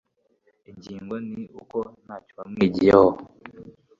Ingingo ni uko ntacyo wamwigiyeho